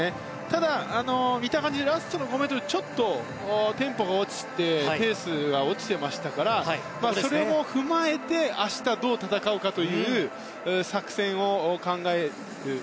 ただ、見た感じラストの５ｍちょっとテンポが落ちてペースが落ちてますからそれも踏まえて明日、どう戦うかという作戦を考える。